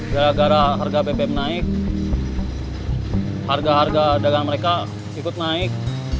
gara gara harga bbm naik harga harga dagang mereka ikut naik